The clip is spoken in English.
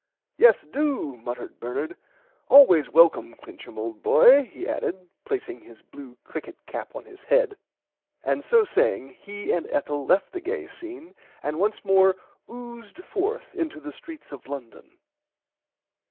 Yes do muttered Bernard always welcome Clincham old boy he added placing his blue crickit cap on his head and so saying he and Ethel left the gay scene and once more oozed fourth into the streets of London.